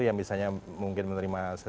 yang misalnya mungkin menerima